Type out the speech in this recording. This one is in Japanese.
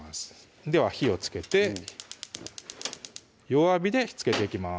では火をつけて弱火でつけていきます